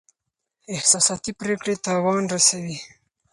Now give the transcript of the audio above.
احساساتي پریکړې تاوان رسوي.